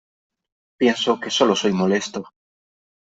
Pienso que solo soy molesto .